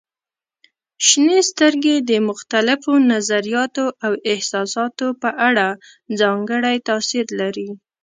شنې سترګې د مختلفو نظریاتو او احساساتو په اړه ځانګړی تاثير لري.